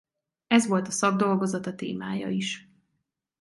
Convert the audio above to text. Ez volt a szakdolgozata témája is.